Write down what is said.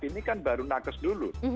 ini kan baru nakes dulu